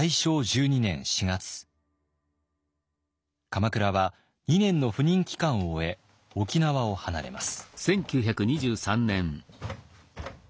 鎌倉は２年の赴任期間を終え沖縄を離れます。